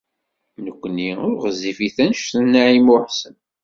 Nekkni ur ɣezzifit anect n Naɛima u Ḥsen.